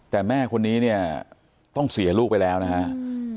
แต่แม่คนนี้เนี่ยต้องเสียลูกไปแล้วนะฮะ